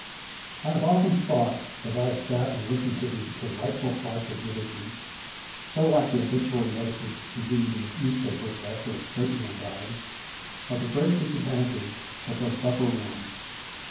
"] I have often thought as I have sat and listened to these delightful flights of eulogy so like the obituary notices we read in the newspapers after a great man dies of the great disadvantages of those upper realms.